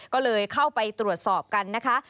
ก็เลยเข้าไปตรวจสอบกันนะคะ